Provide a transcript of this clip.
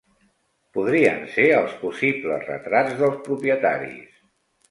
Podrien ser els possibles retrats dels propietaris.